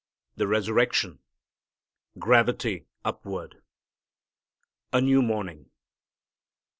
The Resurrection: Gravity Upward A New Morning.